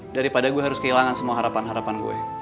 daripada gue harus kehilangan semua harapan harapan gue